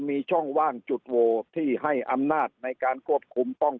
มีช่องว่างจุดโวที่ให้อำนาจในการควบคุมป้อง